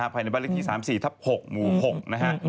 ภายในบ้านเลขที่๓๔ทับ๖หมู่๖นะฮะ